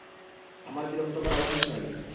আমার বিরক্ত করা উচিত হয়নি।